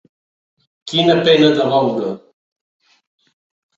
Quina pena de veure